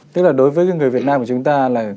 tức là đối với người việt nam của chúng ta là